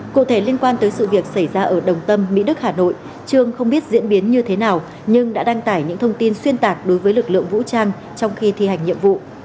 cụ thể liên quan tới sự việc xảy ra ở đồng tâm mỹ đức hà nội trương không biết diễn biến như thế nào nhưng đã đăng tải những thông tin xuyên tạc đối với lực lượng vũ trang trong khi thi hành nhiệm vụ